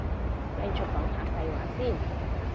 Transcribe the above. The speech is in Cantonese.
繼續講下廢話先